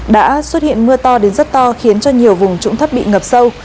đã xuất hiện mưa to đến rất to khiến cho nhiều vùng trũng thấp bị ngập sâu